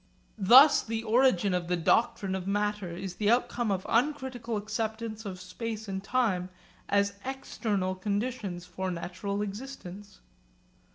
Thus the origin of the doctrine of matter is the outcome of uncritical acceptance of space and time as external conditions for natural existence.